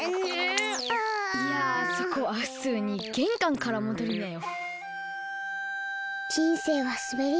いやそこはふつうにげんかんからもどりなよ。